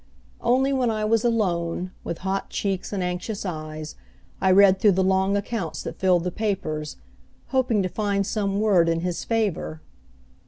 Only when I was alone, with hot cheeks and anxious eyes, I read through the long accounts that filled the papers, hoping to find some word in his favor.